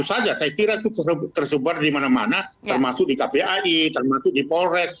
saja saya kira itu tersebar di mana mana termasuk di kpai termasuk di polres